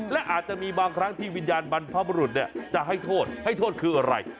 และอาจจะมีบางครั้งที่วิญญาณบรรพบรุษจะให้โทษให้โทษคืออะไร